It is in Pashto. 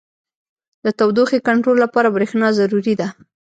• د تودوخې کنټرول لپاره برېښنا ضروري ده.